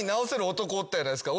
男おったやないですか。